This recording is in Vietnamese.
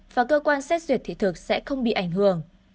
và cơ quan xét duyệt thị thực sẽ không bị ảnh hưởng